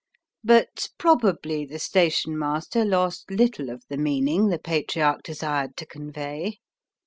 But probably the station master lost little of the meaning the Patriarch desired to convey.